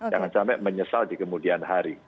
jangan sampai menyesal di kemudian hari